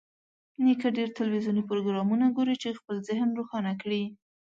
نیکه ډېر تلویزیوني پروګرامونه ګوري چې خپل ذهن روښانه کړي.